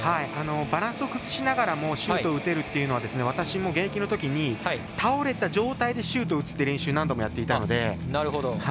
バランスを崩しながらもシュートを打てるっていうのは私も現役のときに倒れた状態でシュートを打つという練習を何度もやっていたので。